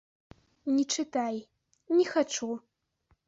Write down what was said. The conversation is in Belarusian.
Не чытай, не хачу.